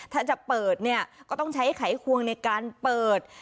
ถ้าจะเปิดเนี่ยก็ต้องใช้ไขควงในการเปิด